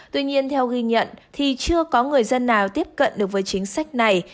tuy nhiên theo ghi nhận thì chưa có người dân nào tiếp cận được với chính sách này